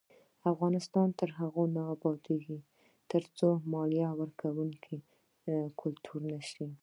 افغانستان تر هغو نه ابادیږي، ترڅو مالیه ورکول کلتور نشي.